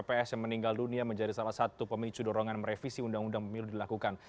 tps yang meninggal dunia menjadi salah satu pemicu dorongan revisi undang undang pemilu dilakukan